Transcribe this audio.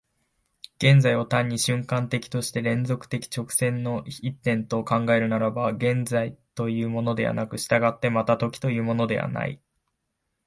現在を単に瞬間的として連続的直線の一点と考えるならば、現在というものはなく、従ってまた時というものはない。